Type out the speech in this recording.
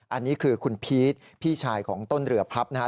อันนี้คือคุณพีชพี่ชายของต้นเรือพับนะฮะ